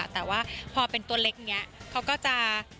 แต่ว่าพอเป็นตัวเล็กเนี่ยเขาก็จะ